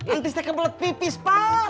antis teh kebelet pipis pak